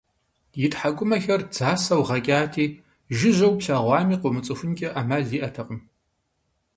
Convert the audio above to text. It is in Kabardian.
И тхьэкӀумэхэр дзасэу гъэкӀати, жыжьэу плъэгъуами, къыумыцӀыхункӀэ Ӏэмал иӀэтэкъым.